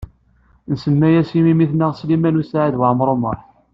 Nsemma-as i memmi-tneɣ Sliman U Saɛid Waɛmaṛ U Muḥ.